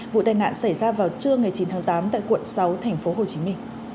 vụ tai nạn xảy ra vào trưa ngày chín tháng tám tại quận sáu tp hcm